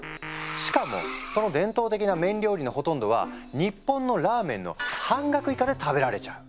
しかもその伝統的な麺料理のほとんどは日本のラーメンの半額以下で食べられちゃう。